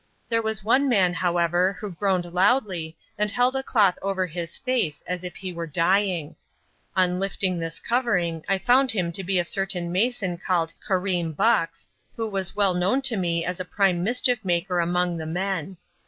There was one man, however, who groaned loudly and held a cloth over his face as if he were dying. On lifting this covering, I found him to be a certain mason called Karim Bux, who was well known to me as a prime mischief maker among the men.